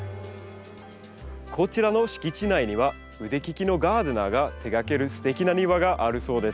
こちらの敷地内には腕利きのガーデナーが手がけるすてきな庭があるそうです。